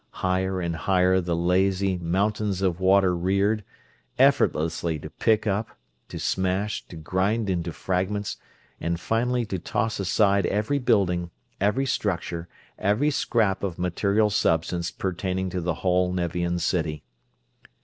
Higher and higher the lazy, mountains of water reared; effortlessly to pick up, to smash, to grind into fragments, and finally to toss aside every building, every structure, every scrap of material substance pertaining to the whole Nevian city.